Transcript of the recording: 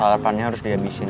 kalepannya harus diabisin